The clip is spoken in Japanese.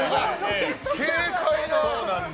軽快な。